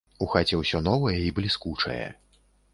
У хаце ўсё новае і бліскучае.